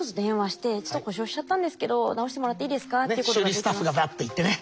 修理スタッフがバッと行ってね